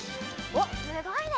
おっすごいね！